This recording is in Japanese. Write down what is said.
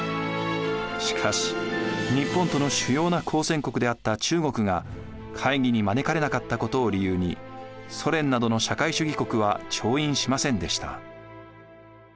しかし日本との主要な交戦国であった中国が会議に招かれなかったことを理由にソ連などの社会主義国は調印しませんでした。